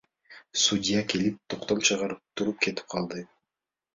Судья келип, токтом чыгарып туруп кетип калды.